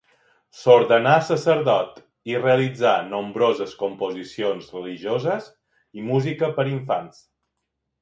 S'ordenà sacerdot i realitzà nombroses composicions religioses i música per a infants.